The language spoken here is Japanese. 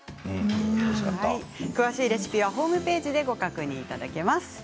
詳しいレシピはホームページでご確認いただけます。